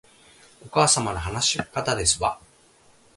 お母様の話し方ですわ